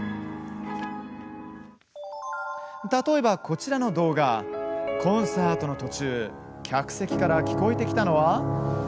例えば、こちらの動画コンサートの途中客席から聞こえてきたのは？